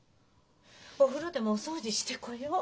お風呂でもお掃除してこよう。